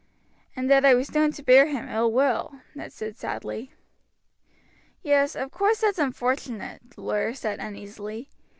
"And that I was known to bear him ill will," Ned said sadly. "Yes, of course that's unfortunate," the lawyer said uneasily.